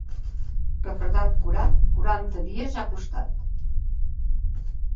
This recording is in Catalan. Refredat curat, quaranta dies ha costat.